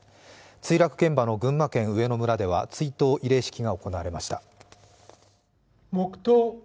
墜落現場の群馬県上野村では追悼慰霊式が行われました。